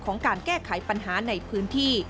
การแก้ไขปัญหาในพื้นที่